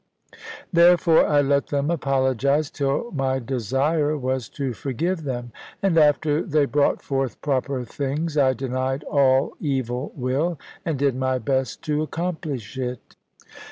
Therefore, I let them apologise; till my desire was to forgive them. And after they brought forth proper things, I denied all evil will, and did my best to accomplish it.